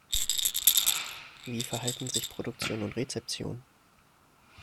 Wie verhalten sich Produktion und Rezeption?